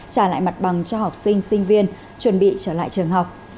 trả lại mặt bằng cho học sinh sinh viên chuẩn bị trở lại trường học